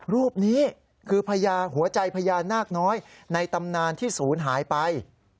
รูปนี้คือพญาหัวใจพญานาคน้อยในตำนานที่ศูนย์หายไป